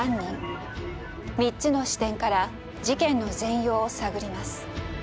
３つの視点から事件の全容を探ります。